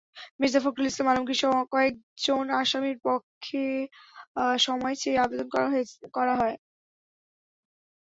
মির্জা ফখরুল ইসলাম আলমগীরসহ কয়েকজন আসামির পক্ষে সময় চেয়ে আবেদন করা হয়।